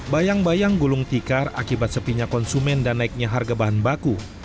bayang bayang gulung tikar akibat sepinya konsumen dan naiknya harga bahan baku